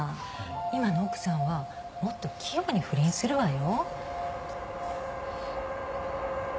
今の奥さんはもっと器用に不倫するわよ。